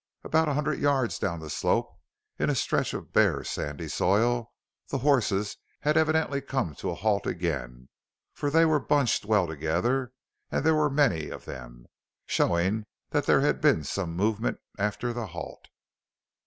About a hundred yards down the slope, in a stretch of bare, sandy soil, the horses had evidently come to a halt again, for they were bunched well together and there were many of them, showing that there had been some movement after the halt.